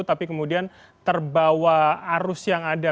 tapi kemudian terbawa arus yang ada